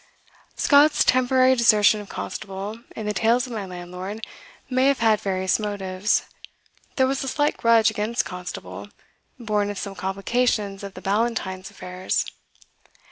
Scott's temporary desertion of Constable in the "Tales of my Landlord" may have had various motives. There was a slight grudge against Constable, born of some complications of the Ballantynes' affairs.